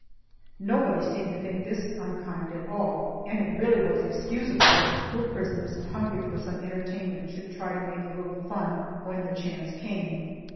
Nobody seemed to think this unkind at all, and it really was excusable that the poor prisoners, hungry for some entertainment, should try to make a little fun when the chance came.